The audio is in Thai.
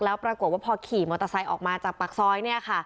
แล้วปรากฏว่าพอขี่มอเตอร์ไซค์ออกมาจากปากซอย